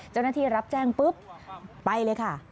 เจ้าหน้าที่รับแจ้งปุ๊บไปเลยค่ะ